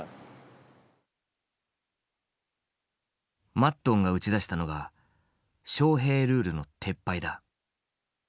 マッドンが打ち出したのがショウヘイルールの撤廃だ。